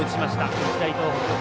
日大東北。